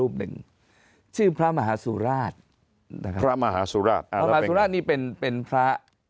รูปหนึ่งชื่อพระมหาสุราชพระมหาสุราชพระมหาสุราชนี่เป็นเป็นพระ